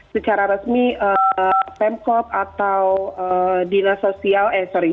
secara resmi pemkot atau dinas sosial eh sorry